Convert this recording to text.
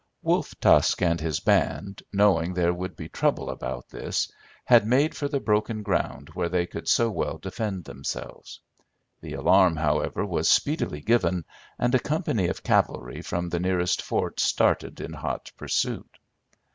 "Wolf Tusk and his band, knowing there would be trouble about this, had made for the broken ground where they could so well defend themselves. The alarm, however, was speedily given, and a company of cavalry from the nearest fort started in hot pursuit.